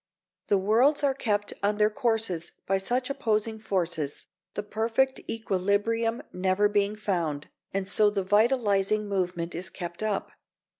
The worlds are kept on their courses by such opposing forces, the perfect equilibrium never being found, and so the vitalising movement is kept up.